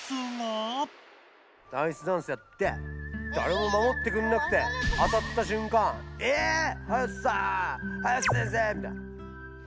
ナイスダンスやって誰も守ってくんなくてあたったしゅんかん「えはやとさん！」